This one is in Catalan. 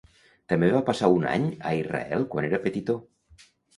També va passar un any a Israel quan era petitó.